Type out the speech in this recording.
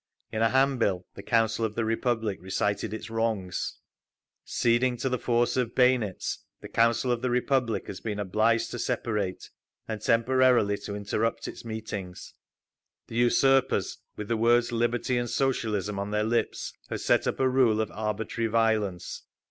In a hand bill the Council of the Republic recited its wrongs: Ceding to the force of bayonets, the Council of the Republic has been obliged to separate, and temporarily to interrupt its meetings. The usurpers, with the words "Liberty and Socialism" on their lips, have set up a rule of arbitrary violence.